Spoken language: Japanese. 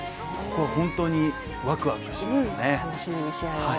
本当にワクワクしますね。